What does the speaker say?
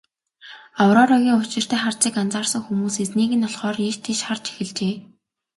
Аврорагийн учиртай харцыг анзаарсан хүмүүс эзнийг нь олохоор ийш тийш харж эхэлжээ.